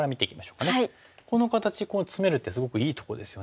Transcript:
この形ここにツメるってすごくいいとこですよね。